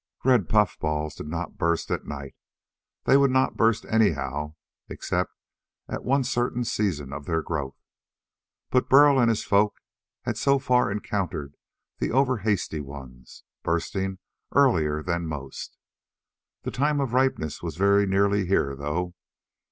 Red puffballs did not burst at night. They would not burst anyhow, except at one certain season of their growth. But Burl and his folk had so far encountered the over hasty ones, bursting earlier than most. The time of ripeness was very nearly here, though.